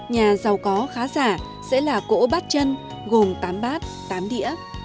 nhà giàu có khá giả sẽ là cỗ bát chân gồm tám bát tám đĩa